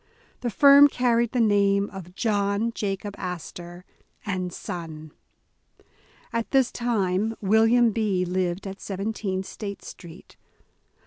The firm carried the name of "John Jacob Astor and Son". At this time William B. lived at 17 State Street.